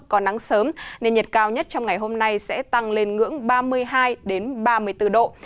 có nắng sớm nên nhiệt cao nhất trong ngày hôm nay sẽ tăng lên ngưỡng ba mươi hai ba mươi bốn độ